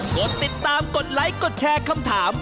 กดติดตามกดไลค์กดแชร์คำถาม